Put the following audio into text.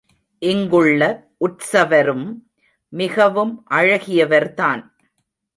இங்குள்ள உற்சவரும் மிகவும் அழகியவர்தான்.